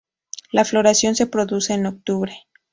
La floración se produce en octubre.